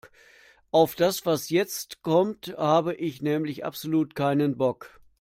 Auf das, was jetzt kommt, habe ich nämlich absolut keinen Bock.